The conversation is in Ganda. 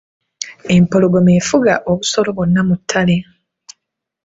Empologoma efuga obusolo bwonna mu ttale.